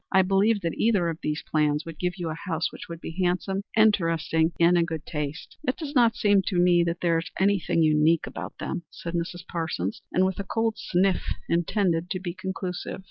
"I believe that either of these plans would give you a house which would be handsome, interesting and in good taste." "It does not seem to me that there is anything unique about any of them," said Mrs. Parsons, with a cold sniff intended to be conclusive.